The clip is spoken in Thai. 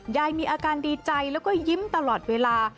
ยายมีอาการดีใจแล้วก็ยิ้มตลอดเวลา